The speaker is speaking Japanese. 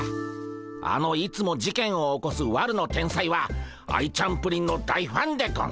あのいつも事件を起こす悪の天才はアイちゃんプリンの大ファンでゴンス。